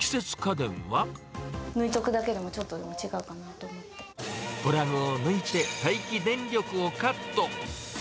抜いとくだけでもちょっとでプラグを抜いて、待機電力をカット。